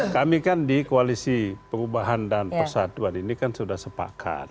kami kan di koalisi perubahan dan persatuan ini kan sudah sepakat